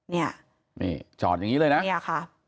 เนี่ยนี่จอดอย่างนี้เลยนะเนี่ยค่ะ